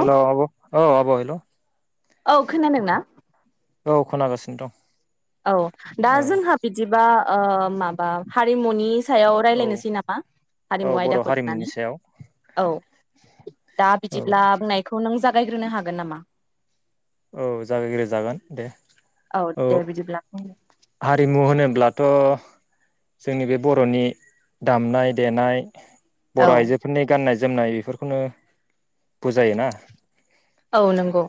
Hello आब' औ आब' हेलौ औ खोनादों ना? औ खोनागासिनो दं। औ दा औ जोंहा बिदिबा ओ माबा हारिमुनि सायाव औ रायलायनोसै नामा औ हारिमु बर' आयदाखौ हारिमुनि लानानै सायाव औ दा औ बिदिब्ला बुंनायखौ नों जा गायग्रोनो हागोन नामा? औ जागायग्रो जागोन दे औ दे बिदिब्ला हारिमु होनोब्लाथ' जोंनि बे बर'नि दामनाय देनाय औ बर' आइजोफोरनि गाननाय जोंना बेफोरखौनो बुजायो ना। औ नंगौ।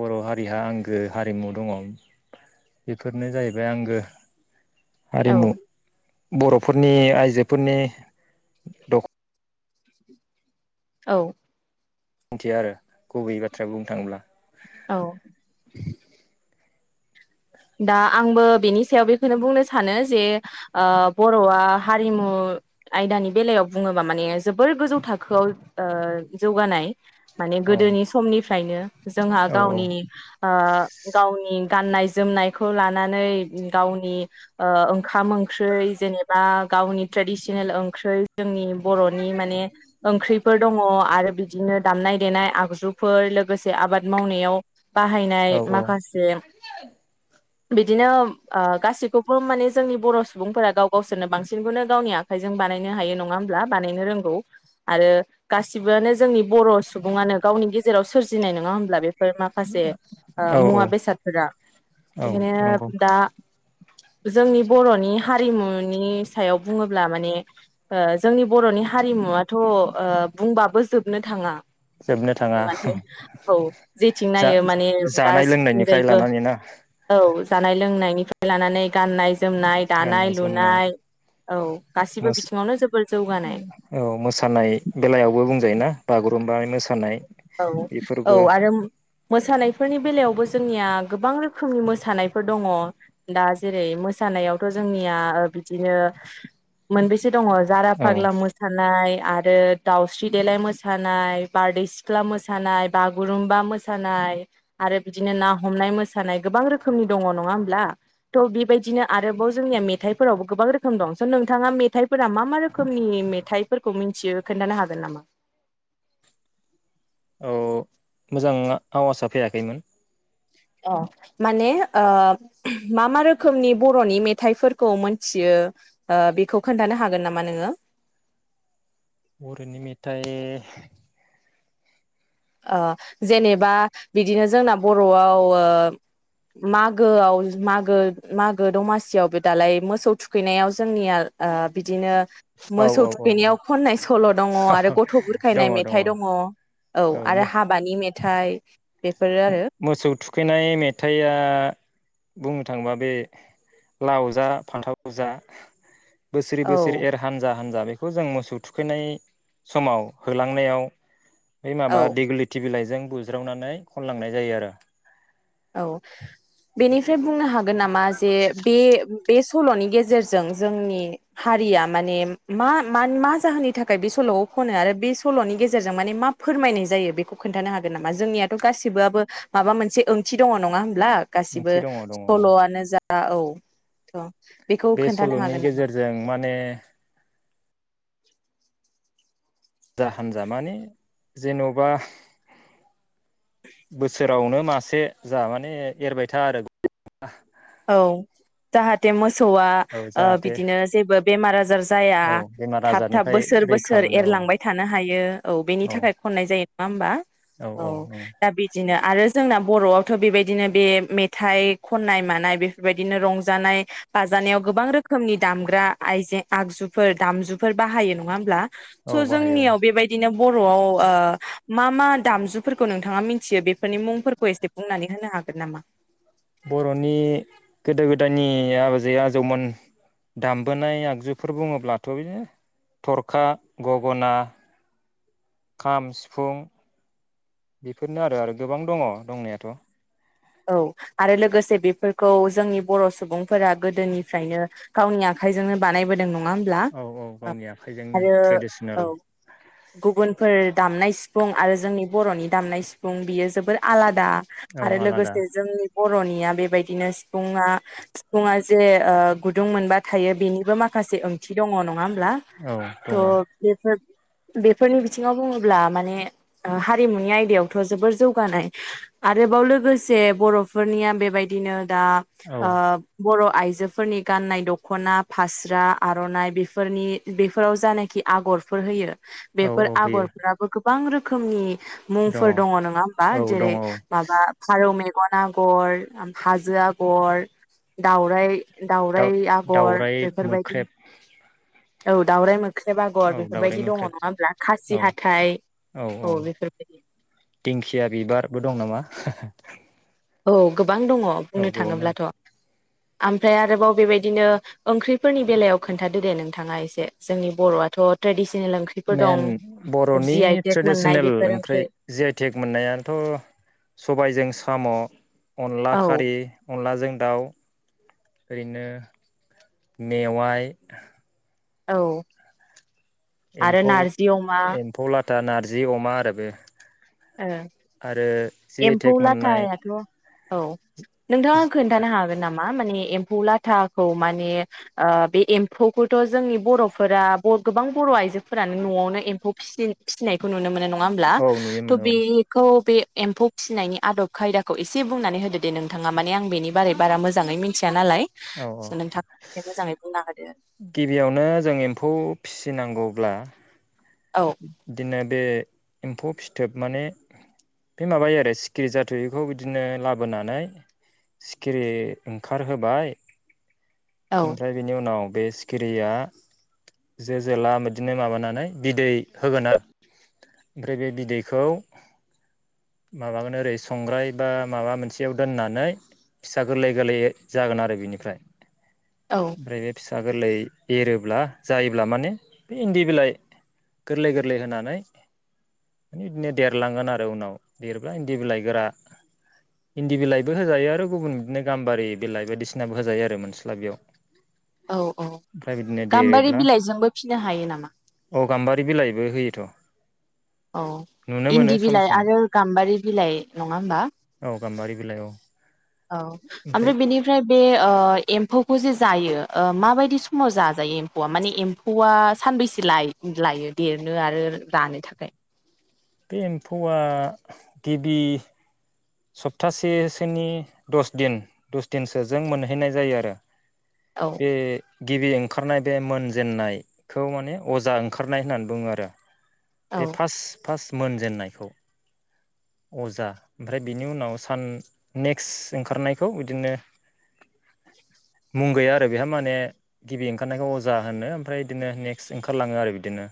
बर' हारिहा आंगो हारिमु दङ बेफोरनो जाहैबाय आंगो। औ हारिमु। बर'फोरनि आइजोफोरनि दख। औ। मिन्थियो आरो गुबैयै बाथ्राया बुंनो थाङोब्ला। औ दा आंबो बेनि सायाव बेखौनो बुंनो सानो जे ओ-बर'आ हारिमु आयदानि बेलायाव बुङोबा माने जोबोर गोजौ थाखोआव ओ-जौगानाय। माने औ गोदोनि समनिफ फ्रायनो जोंहा औ औ गावनिनि ओ-गावनि। गाननाय जोमनाय। खौ लानानै गावनि ओ-ओंखाम ओंख्रि जेनेबा गावनि ट्रेडिसनेल ओंख्रि। जोंनि बर'नि माने ओंख्रिफोर दङ आरो। बिदिनो दामनाय देनाय आगजुफोर लोगोसे आबाद मावनायाव। बाहायनाय औ माखासे। बिदिनो ओ-गासिखौबो माने जोंनि बर' सुबुंफोरा गाव गावसोरनो बांसिनखौनो गावनि आखाइजों बानायनो हायो नङा होमब्ला बानायनो रोंगौ आरो गासिबोआनो जोंनि बर' सुबुङानो गावनि गेजेराव सोरजिनाय नङा होमब्ला बेफो। फोर माखासे औ औ ओ-मुवा बेसादफोरा। औ नंगौ बेखायनो दा जोंनि बर'नि हारिमुनि। नि सायाव बुङोब्ला माने ओ-जोंनि बर'नि हारिमुवाथ' ओ-बुंबाबो जोबनो थाङा। जोबनो थाङा माने औ जेथिं जा नायो माने जानाय लोंनायनिफ्राय गासैथिंजायबो। लानानै ना औ जानाय लोंनायनिफ्राय लानानै गाननाय। जोमनाय दानाय गाननाय जोमनाय लुनाय औ गासिबो बिथिङावनो जोबोर जौगानाय मोस-औ मोसानाय बेलायावबो बुंजायोना बागु। रुम्बा मोसानाय। औ औ बेफोरबो आरो। मोसानायफोरनि बेलायावबो जोंनिया गोबां रोखोमनि मोसानायफोर दङ दा जेरै मोसानायावथ' जोंनिया ओ-बिदिनो मोनबेसे। दङ जारा औ फाग्ला मोसानाय। आरो दाउस्रि देलाय मोसानाय बारदै सि ख्ला मोसानाय बागुरुमबा मोसानाय आरो बिदिनो ना हमनाय मोसानाय गोबां रोखोमनि दङ नङा होमब्ला थ' बेबायदिनो आरोबाव जोंनिया मेथाइफोरावबो गोबां रोखोम दं स' नोंथाङा मेथाइफोरा मा मा रोखोमनि मेथाइफोरखौ मिथियो खोनन्थानो हागोन नामा? औ मोजां आवासआ फैयाखैमोन। अ माने ओ- मा मा रोखोमनि बर'नि मेथाइफोरखौ मोथियो ओ-बेखौ खोन्थानो हागोन नामा नोङो? बर'नि मेथाइ। ओ-जेनेबा बिदिनो जोंना बर'आव ओ-मागोआव मागो मागो दमासियावबो दालाय मोसौ थुखैनायाव जोंनिया। ओ-बिदिनो औ मोसौ औ औ औ थुखैनायाव खननाय। सल' दङ आरो गथ' दङ बुरखायनाय मेथाइ औ दङ। औ आरो हाबानि मेथाइ बेफोरो आरो मोसौ थुखैनाय मेथाइआ बुं नो थांबा बे लाव जा फान्थाव जा बोसोर औ बोसोर एर हानजा हानजा। बेखौ जों मोसौ थुखैनाय समाव होलांनायाव। बै माबा औ देग्लिथि बिलाइ। जों बुज्रावनानै। खनलांनाय जायो आरो। औ बेनिफ्राय बुंनो हाग नामा जे बे बे- सल'नि गेजेरजों जोंनि हारिया माने मा मा जाहोननि थाखाय बे सल'खौ खनो आरो बे सल'नि गेजेरजों माने मा फोरमायनाय जायो बेखौ खोन्थानो हागोन नामा जोंनियाथ' गासिबोबो माबा मोनसे ओं थि दङ नङा होम ब्ला गासिबो ओंथि दङ दङ औ सल'आनो जा। दा औथ'। बे सल'नि गेजेरजों माने। जा हान्जा माने जेन'बा बोसोरावनो मासे जा माने एरबाय था आरो [unintelligible] औ जाहाथे मोस सौआ औ जाहाथे ओ-बिदिनो जेबो बेमार आजार जाया औ बेमार थाब थाब आजारनिफ्राय बोसोर रैखा बोसोर मोनो एरलांबाय थानो हायो औ बेनि थाखाय खननाय जायो। नङा होमबा? औ दा बिदिनो। आरो जोंना बर'आवथ' बेबायदिनो बे मेथाइ खननाय मानाय। बेफोरबायदिनो रंजानाय बाजानायाव गोबां रोखोमनि दामग्रा आइजें आगजुफोर दामजुफोर बाहायो नङा होमब्ला? औ स' बाहायो जोंनियाव औ बेबायदिनो बर'आव ओ - मा मा दामजुफोरखौ नोंथाङा मिथियो बेफोरनि मुंफोरखौ एसे बुंनानै होनो हागोन नामा? बर'नि। गोदो गोदायनि आजै आजौमोन दामबोनाय आगजुफोर बुङोब्लाथ' बिनो थरखा गगना खाम सिफुं बेफोरनो आरो आरो गोबां दङ दंनायाथ'। औ आरो लोगोसे बेफोरखौ जोंनि बर' सुबुंफोरा गोदोनिफ्रायनो गावनि आखाइजोंनो बानायबोदोंमोन। नङा होनब्ला औ औ गावनि आखाइजोंनो आरो ट्रेडिसनेल औ गुबुनफोर दामनाय। सिफुं आरो जोंनि बर'नि दामनाय सिफुं बियो जोबोर आलादा। औ आरोे लोगोस आलादा बर'निया बेबायदिनो सि सिफुङा सिफुङा। जे ओ-गुदुं मोनबा थायो बेनिबो माखासे ओं थि दङ' नङा होमब्ला औ दङ थह औ बेफोर। बेफोरनि बिथिङाव बुङोब्ला माने हारिमुनि आयदायावथ' जोबोर जौगानाय आरोबाव लोगोस से बर'फोरनिया बेबायदिनो। दा ओ- बर'। आइजोफोरनि गाननाय दख'ना फास्रा आर'नाइ बेफोरनि बेफोराव जानाखि आगरफोर होयो। औ बेफोर होयो आगरफ्राबो गो बां रोखोमनि। मुंफोर दङ नङा होमबा दङ जेरै- औ माबा। फारौ मेगन आगर हाजो आगर दावराइ। दाउ दाउराइ आगर दाउराइ बेफोरबायदि। मोख्रेब औ दावराय मो ख्रेब आगर औ दाउराइ बेफोरबायदि दङ मोख्रेब नङा होनब्ला खासि औ हाथाय औ बेफोरबायदि। दिंखिया बिबारबो [unintelligible] औ गोब बां दङ औ बुंनो गोबां दं थाङोब्लाथ'। आमफ्राय आरोबाव बेबायदिनो ओंख्रिफोरनि बेलायाव खोन्थादो दे नोंथाङा एसे जोंनि बर'आथ' ट्रेडिसन। मेन बर'नि टेक मोननाय ट्रेडिसनेल बेफोर ओंख्रै ओंख्रि जि आइ टेक मोननायाथ' सबायजों साम'। अनला औ खारि अनलाजों दाउ ओरैनो मेवाइ। औ। आरो नारजि अमा। था नारजि अमा आरो बे। ओ आरो जि आइ एम्फौ टेक मोननाय लाथायाथ'। औ। नोंथाङा खोन्थानो हागोन नामा? मा माने एम्फौ लाथाखौ माने ओ बे एम्फौखौथ' जोंनि बर'फोरा गोबां बर'आइजोफोरानो न'आवनो एम्फौ फिसि फिनायखौ नुनो मोनो नङा होमब्ला। औ थ' नुयोमोन औ बेखौ बे एम्फौ फिनायनि आदब खायदाखौ एसे बुंनानै होदो दे नोंथाङा माने आं बेनि बारै बारा मोजाङै मिथि औ औ बुंना होदो गिबियावनो जों एम्फौ। फिसिनांगौब्ला। औ बिदिनो बे। एम्फौ फिथोब माने बे माबायो आरो सिखिरि जाथो बेखौ बिदिनो लाबोनानै सिखिरि ओंखार होबाय। औ ओमफ्राय बेनि उनाव। बे सिखिरिया जो जोला बिदिनो माबानानै बिदै होगोन आरो ओमफ्राय बे बिदैखौ माबागोन ओरै संग्राय बा माबा मोनसेयाव दोननानै फिसा गोरलै गोरलै जागोन आरो बिनिफ्राय। औ ओमफ्राय फि सा गोरलै एरोब्ला जायोब्ला माने बे इन्दि बिलाइ। गोरलै गोरलै होनानै माने बिदिनो देरलांगोन आरो उनाव देरब्ला इन्दि बिलाइ गोरा इन्दि बिलाइबो होजायो आरो गुबुन बिदिनो गाम्बारि बिलाइ बायदिसिनाबो होजायो आरो मोनस्ला बेयाव। औ औ ओमफ्राय बिदिनो गाम्बारि देरोब्ला बिलाइजोंबो फिनो हायो नामा? गामबारि बे बिलाइबो होयोथ। औ नुनो मोनो इन्दि सम बिलाइ सम आरो गाम्बारि बिलाइ नङा होमबा औ गाम्बारि बिलाइ औ औ ओमफ्राय बेनिफ्राय बे ओ एम्फौ एम्फौ जे जायो ओ माबायदि समाव जाजायो एम्फौआ माने एम्फौआ सानबैसे लायो देरनो आरो रानो थाखाय? बे एम्फौआ गिबि सप्तासेसोनि दस दिन दस दिनसो जों मोनहैनाय जायो आरो। औ बे गिबि ओंखारनाय बे मोनजेन्नायखौ माने अजा ओंखारनाय होननानै बुङो आरो। औ बे फास्ट फास्ट मोन जेननायखौ अजा ओमफ्राय बिनि उनाव सान नेक्स्ट ओंखारनायखौ बिदिनो मुंगैया आरो बेहा माने गिबि ओंखारनायखौ अजा होनो ओमफ्राय बिदिनो नेक्स्ट ओंखारलाङो आरो बिदिनो।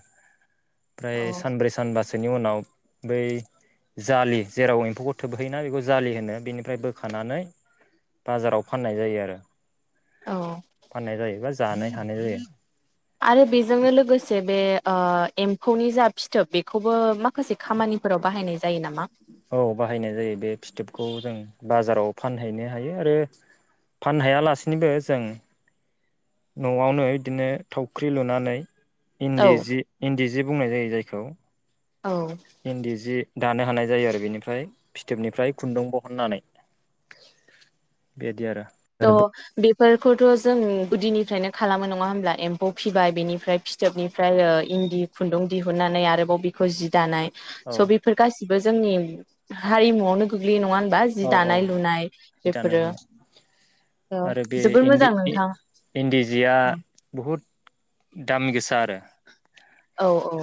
ओमफ्राय औ सानब्रै सानबासो बेनि उनाव बै जालि जेराव एम्फौखौ थोबहैयोना बेखौ जालि होनो बेनिफ्राय बोखानानै बाजाराव फाननाय जायो आरो। औ फाननाय जायोबा जानो हानाय जायो। आरो बेजोंनो लोगोसे बे ओ एम्फौनि जा फिथोब बेखौबो माखासे खामानिफोराव बाहायनाय जायो नामा? औ बाहायनाय जायो बे फिथोबखौ जों बाजाराव फानहैनो हायो आरो फानहायालासिनोबो जों न'आवनो बिदिनो थावख्रि लुनानै। औ इनदि जि इनदि जे बुंनाय जायो जायखौ। औ इन्दि जि दानो हानाय जायो आरो बेनिफ्राय फिथोबनिफ्राय खुन्दुं बहननानै बेदि आरो। द बे फोरखौथ' जों गुदिनिफ्रायनो खालामो नङा होमब्ला एम्फौ फिबाय बेनिफ्राय फिथोबनिफ्राय इन्दि खुन्दुं दिहुननानै आरोबाव बेखौ जि दानाय। औ स बेफोर गासिबो जोंनि। हारि मुयावनो गोग्लैयो नङा होनबा जि औ औ दानाय लुनाय जि दानाय बेफोरो लुनाय आरो बे जोबोर इन्दि मोजां इ नोंथां इन्दि जिया बहु बहुद दाम गोसा आरो। औ औ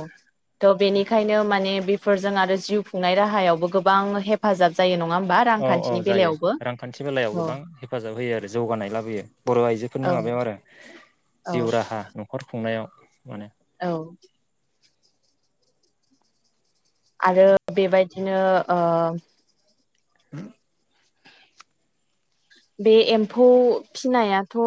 थ बेनिखायनो माने। बेफोरजों आरो जिउ खुंनाय राहायावबो गोबां हेफाजाब जायो नङा। होमबा औ औ रांखान्थिनि जायो बेलायावबो रांखान्थि बेलायाव औ गोबां हेफाजाब होयो आरो जौगानाय लाबोयो बर' औ आइजोफोरनि माबायाव आरो जिउ राहा नखर खुंनायाव। माने औ आरो बेबायदिनो ओ [inaudible] बे एम्फौ फिनायाथ'।